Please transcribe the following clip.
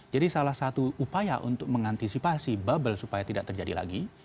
salah satu upaya untuk mengantisipasi bubble supaya tidak terjadi lagi